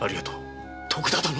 徳田殿。